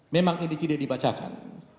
memang ini tidak dibacakan